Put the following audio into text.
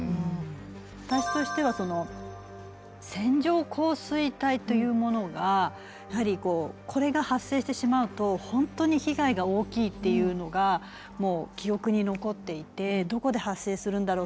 私としてはその線状降水帯というものがやはりこれが発生してしまうと本当に被害が大きいっていうのが記憶に残っていてどこで発生するんだろう